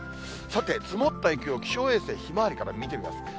さて、積もった雪を気象衛星ひまわりから見てみます。